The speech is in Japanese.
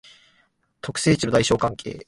特性値の大小関係